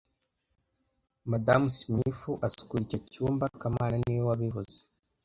Madamu Smith asukura icyo cyumba kamana niwe wabivuze